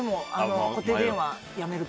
固定電話をやめる時。